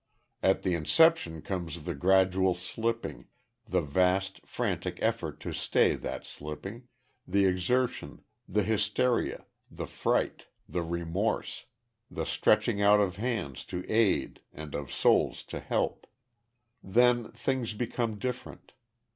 At the inception comes the gradual slipping the vast, frantic effort to stay that slipping the exertion, the hysteria, the fright, the remorse, the stretching out of hands to aid and of souls to help.... Then, things become different.